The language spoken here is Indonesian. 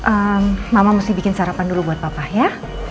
eh mama mesti bikin sarapan dulu buat papa ya